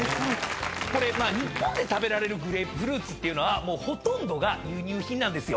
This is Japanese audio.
まあ日本で食べられるグレープフルーツっていうのはほとんどが輸入品なんですよ。